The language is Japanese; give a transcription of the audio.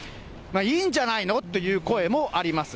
いいんじゃないのという声もあります。